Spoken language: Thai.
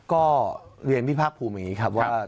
ก็เรียนพี่ภาคภูมิอย่างนี้ครับว่า